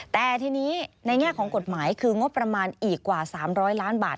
แต่ทีนี้ในแง่ของกฎหมายคืองบประมาณอีกกว่า๓๐๐ล้านบาท